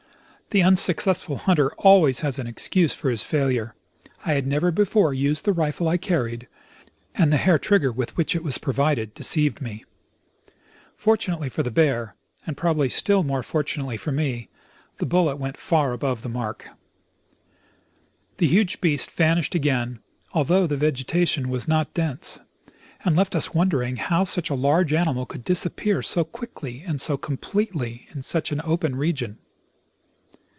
The unsuccessful hunter always has an excuse for his failure ; I had never before used the rifle I carried, and the hair trigger with which it was provided deceived me. Fortunately for the bear, and jirobably still more fortunately for me, the bullet went far above the mark. The huge beast vanished again, al though the vegetation was not dense, and left us wondering how such a large animal could disappear so quickly and so completely in such an open region.